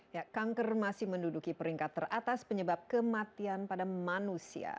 ya kanker masih menduduki peringkat teratas penyebab kematian pada manusia